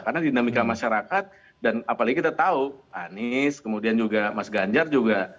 karena dinamika masyarakat dan apalagi kita tahu anies kemudian juga mas ganjar juga